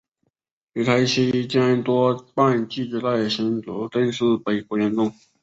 旅台期间多半寄居在新竹郑氏北郭园中。